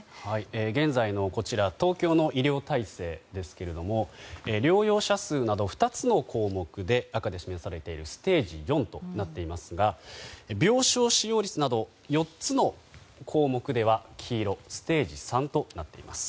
現在の東京の医療体制ですけれども療養者数など２つの項目で赤で示されているステージ４となっていますが病床使用率など４つの項目では黄色ステージ３となっています。